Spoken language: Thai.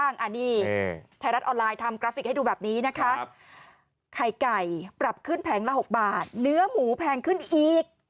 องค์ปรับขึ้นแพงละ๖บาทเนื้อหมูแพงขึ้นอีก